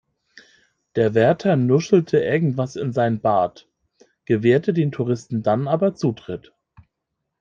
Der Wärter nuschelte irgendwas in seinen Bart, gewährte den Touristen dann aber Zutritt.